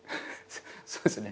そうですね。